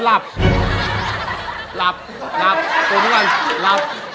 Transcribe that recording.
หลับหลับหลับก่อนหลับ